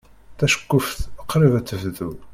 Taceqquft qrib ad tebdu.